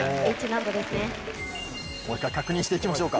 もう１回確認して行きましょうか。